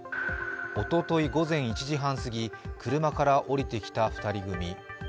おととい午前１時半過ぎ、車からおりてきた２人組。